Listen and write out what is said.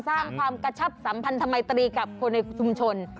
สร้างความกระชับสัมพันธมัยตรีกับคนในชุมชน